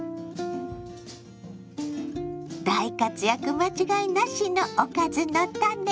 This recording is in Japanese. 大活躍間違いなしの「おかずのタネ」。